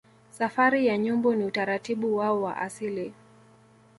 Safari ya Nyumbu ni utaratibu wao wa asili